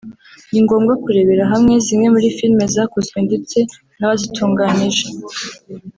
ni ngombwa kurebera hamwe zimwe muri filime zakozwe ndetse n’abazitunganyije